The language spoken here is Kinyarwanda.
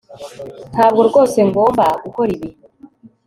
ntabwo rwose ngomba gukora ibi